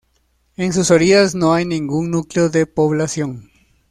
En sus orillas no hay ningún núcleo de población.